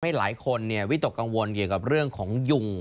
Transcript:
หลายคนวิตกกังวลเกี่ยวกับเรื่องของยุง